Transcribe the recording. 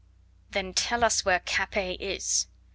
"Then tell us where Capet is."